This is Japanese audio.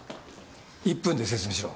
１分で説明しろ。